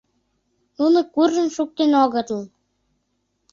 Нуно куржын шуктен огытыл.